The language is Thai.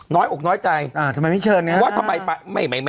น้อยอกน้อยใจอ่าทำไมไม่เชิญนะว่าทำไมไปไม่ไม่